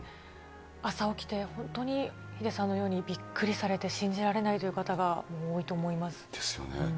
朝起きて、本当にヒデさんのようにびっくりされて、信じられないという方がですよね。